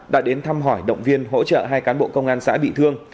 đã đến thăm hỏi động viên hỗ trợ hai cán bộ công an xã bị thương